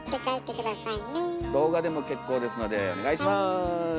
動画でも結構ですのでお願いします。